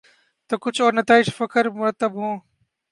تو کچھ اور نتائج فکر مرتب ہوں۔